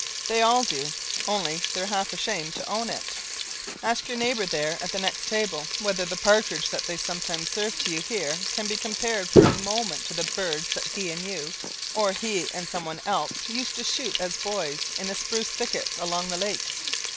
They all do. Only they're half ashamed to own it. Ask your neighbour there at the next table whether the partridge that they sometimes serve to you here can be compared for a moment to the birds that he and you, or he and some one else, used to shoot as boys in the spruce thickets along the lake.